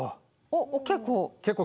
おっ結構。